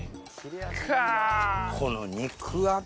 この肉厚。